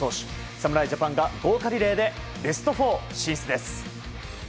侍ジャパンが豪華リレーでベスト４進出です。